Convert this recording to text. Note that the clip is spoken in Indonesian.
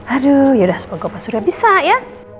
aduh yaudah semoga opa surya bisa ya